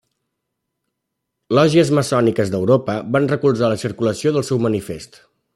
Lògies maçòniques d'Europa van recolzar la circulació del seu manifest.